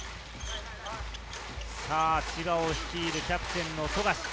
千葉を率いるキャプテンの富樫。